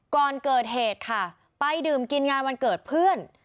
ก่อนเกิดเหตุค่ะไปดื่มกินงานวันเกิดเพื่อน